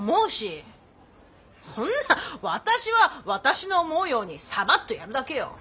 そんな私は私の思うようにサバっとやるだけよ！